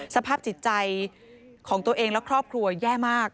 สภาพจิตใจของตัวเองและครอบครัวแย่มาก